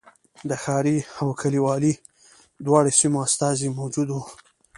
د ښاري او کلیوالي دواړو سیمو استازي موجود و.